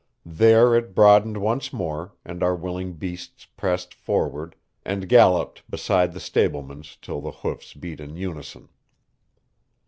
There it broadened once more, and our willing beasts pressed forward and galloped beside the stableman's till the hoofs beat in unison.